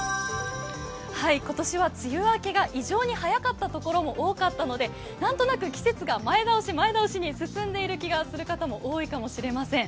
今年は梅雨明けが異常に早かったところも多かったのでなんとなく季節が前倒し、前倒しに進んでいると思う方も多いかもしれません。